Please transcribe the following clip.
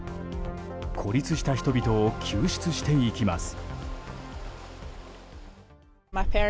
孤立した人々を救出していきます。